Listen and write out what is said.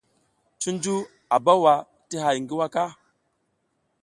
Cunju a bawa ti hay ngi waka.